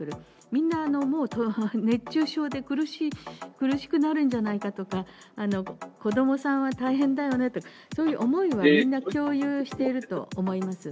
みんな、もう熱中症で苦しい、苦しくなるんじゃないかとか、子どもさんは大変だよねと、そういう思いはみんな共有していると思います。